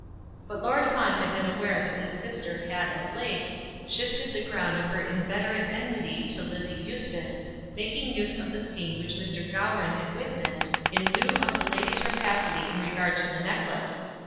But Lord Fawn had been aware that his sister had of late shifted the ground of her inveterate enmity to Lizzie Eustace, making use of the scene which Mr. Gowran had witnessed, in lieu of the lady's rapacity in regard to the necklace.